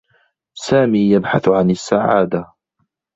سامي يبحث عن السّعادة.